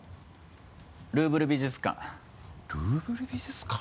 「ルーブル美術館」「ルーブル美術館」？